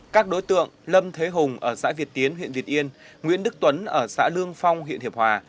các đối tượng lâm thế hùng ở xã việt tiến huyện việt yên nguyễn đức tuấn ở xã lương phong huyện hiệp hòa